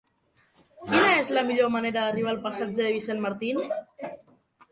Quina és la millor manera d'arribar al passatge de Vicent Martín?